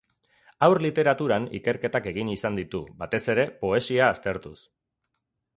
Haur Literaturan ikerketak egin izan ditu, batez ere, poesia aztertuz.